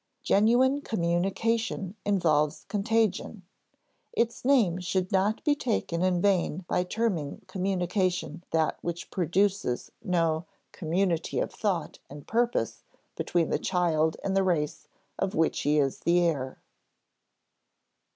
Genuine communication involves contagion; its name should not be taken in vain by terming communication that which produces no community of thought and purpose between the child and the race of which he is the heir.